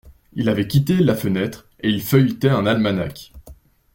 Il avait quitté la fenêtre, et il feuilletait un almanach.